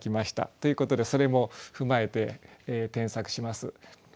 ということでそれも踏まえて添削します。